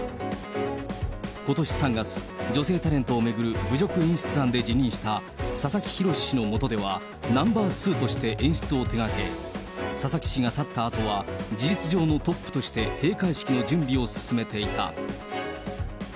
ことし３月、女性タレントを巡る侮辱演出案で辞任した佐々木宏氏の下では、ナンバー２として演出を手がけ、佐々木氏が去ったあとは、事実上のトップとして閉会式の準備を進めていた。